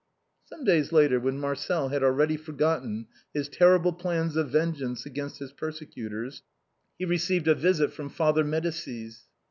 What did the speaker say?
Some days after, when Marcel had already forgotten his terrible plans of vengeance against his persecutors, he re ceived a \isit from Father Medicis.